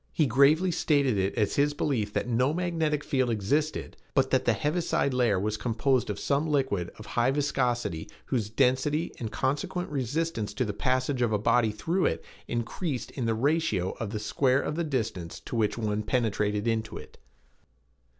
He gravely stated it as his belief that no magnetic field existed, but that the heaviside layer was composed of some liquid of high viscosity whose density and consequent resistance to the passage of a body through it increased in the ratio of the square of the distance to which one penetrated into it.